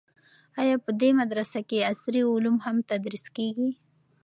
آیا په دې مدرسه کې عصري علوم هم تدریس کیږي؟